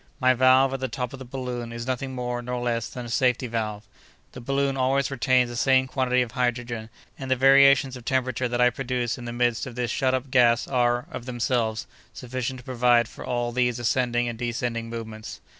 My valve, at the top of the balloon, is nothing more nor less than a safety valve. The balloon always retains the same quantity of hydrogen, and the variations of temperature that I produce in the midst of this shut up gas are, of themselves, sufficient to provide for all these ascending and descending movements.